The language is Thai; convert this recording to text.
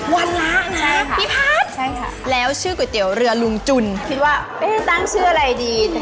วันละนะพี่พัฒน์แล้วชื่อก๋วยเตี๋ยวเรือลุงจุนคิดว่าจะตั้งชื่ออะไรดี